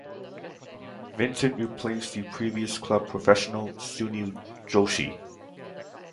Vincent replaced the previous club professional, Sunil Joshi.